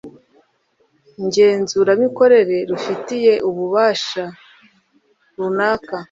ngenzuramikorere rubifiye ububasha runaka